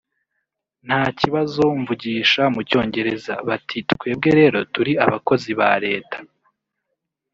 nta kibazo mvugisha mu Cyongereza…bati twebwe rero turi abakozi ba leta